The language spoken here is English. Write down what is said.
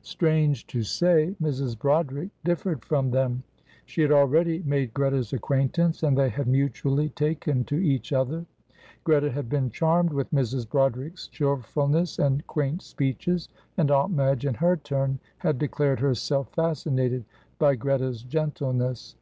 Strange to say, Mrs. Broderick differed from them. She had already made Greta's acquaintance, and they had mutually taken to each other. Greta had been charmed with Mrs. Broderick's cheerfulness and quaint speeches, and Aunt Madge, in her turn, had declared herself fascinated by Greta's gentleness.